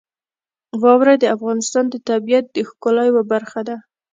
واوره د افغانستان د طبیعت د ښکلا یوه برخه ده.